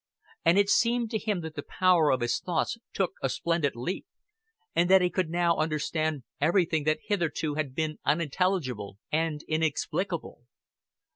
And it seemed to him that the power of his thoughts took a splendid leap, and that he could now understand everything that hitherto had been unintelligible and inexplicable.